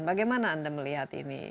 bagaimana anda melihat ini